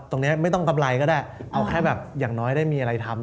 ตรงนี้ไม่ต้องกำไรก็ได้เอาแค่แบบอย่างน้อยได้มีอะไรทำ